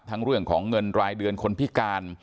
เรื่องของเงินรายเดือนคนพิการ